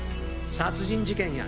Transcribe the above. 殺人事件や！